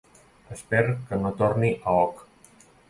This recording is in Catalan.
Esper que no torni a oc